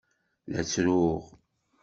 La ttruɣ.